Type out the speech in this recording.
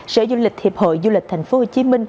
sở du lịch hiệp hội du lịch tp hcm